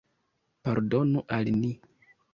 Pardonu al ni!